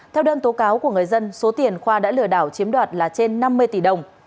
theo đơn tố cáo của người dân số tiền khoa đã lừa đảo chiếm đoạt là trên năm mươi tỷ đồng